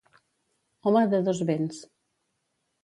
Home de dos vents.